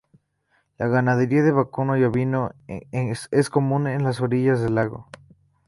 La ganadería de vacuno y ovino es común en las orillas del lago.